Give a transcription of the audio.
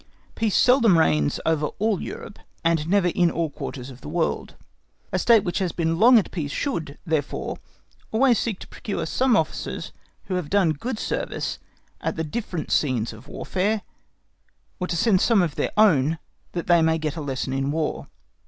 Peace seldom reigns over all Europe, and never in all quarters of the world. A State which has been long at peace should, therefore, always seek to procure some officers who have done good service at the different scenes of Warfare, or to send there some of its own, that they may get a lesson in War.